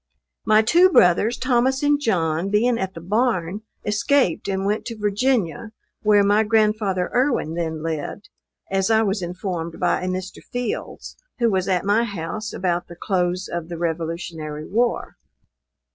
My two brothers, Thomas and John, being at the barn, escaped and went to Virginia, where my grandfather Erwin then lived, as I was informed by a Mr. Fields, who was at my house about the close of the revolutionary war.